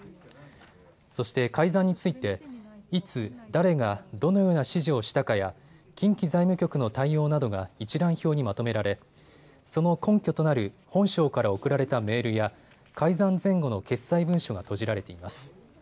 そして改ざんについていつ、誰が、どのような指示をしたかや近畿財務局の対応などが一覧表にまとめられその根拠となる本省から送られたメールや改ざん前後の決裁文書がとじられています。